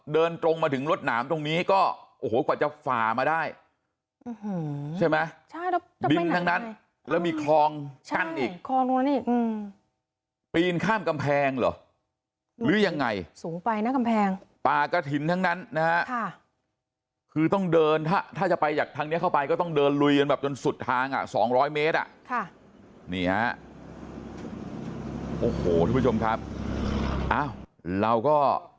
เดินตรงมาถึงรถหนามตรงนี้ก็โอ้โหกว่าจะฝ่ามาได้ใช่ไหมใช่แล้วดินทั้งนั้นแล้วมีคลองกั้นอีกคลองนู้นอีกปีนข้ามกำแพงเหรอหรือยังไงสูงไปนะกำแพงป่ากระถิ่นทั้งนั้นนะฮะคือต้องเดินถ้าถ้าจะไปจากทางนี้เข้าไปก็ต้องเดินลุยกันแบบจนสุดทางอ่ะสองร้อยเมตรอ่ะค่ะนี่ฮะโอ้โหทุกผู้ชมครับอ้าวเราก็